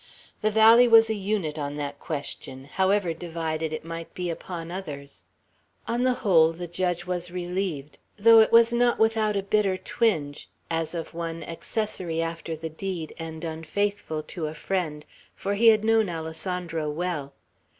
The valley was a unit on that question, however divided it might be upon others. On the whole, the judge was relieved, though it was not without a bitter twinge, as of one accessory after the deed, and unfaithful to a friend; for he had known Alessandro well.